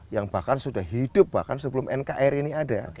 yang bahkan sudah hidup bahkan sebelum nkr ini ada